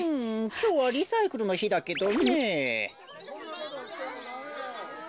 きょうはリサイクルのひだけどねぇ。